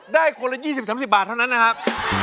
คนละ๒๐๓๐บาทเท่านั้นนะครับ